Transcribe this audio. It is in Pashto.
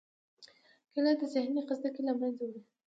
کېله د ذهنی خستګۍ له منځه وړي.